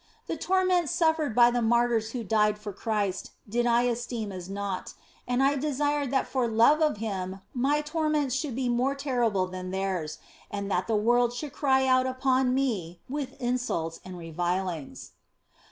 The torments suffered by the martyrs who had died for Christ did I esteem as naught, and I desired that for love of Him my torments should be more terrible than theirs, and that the world should cry out upon me with insults and re vilings.